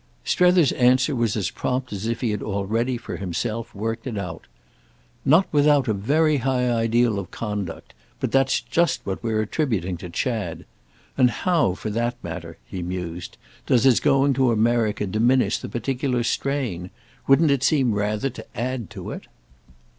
Strether's answer was as prompt as if he had already, for himself, worked it out. "Not without a very high ideal of conduct. But that's just what we're attributing to Chad. And how, for that matter," he mused, "does his going to America diminish the particular strain? Wouldn't it seem rather to add to it?"